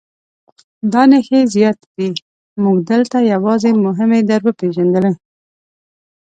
دا نښې زیاتې دي موږ دلته یوازې مهمې در وپېژندلې.